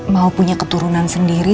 mau punya keturunan sendiri